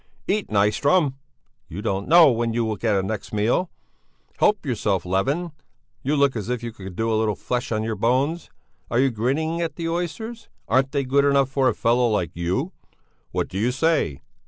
"Eat, Nyström! You don't know when you'll get a meal next. Help yourself, Levin; you look as if you could do with a little flesh on your bones. Are you grinning at the oysters? Aren't they good enough for a fellow like you? What do you say?